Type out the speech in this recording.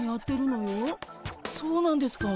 そうなんですか。